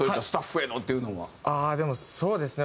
でもそうですね